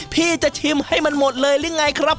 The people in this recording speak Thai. พี่จะชิมให้มันหมดเลยหรือไงครับ